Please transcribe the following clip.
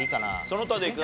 その他でいく？